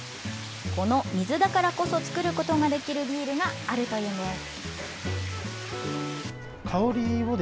この水だからこそ造ることができるビールがあるというんです。